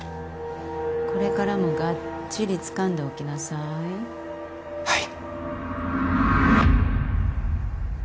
これからもガッチリつかんでおきなさいはい！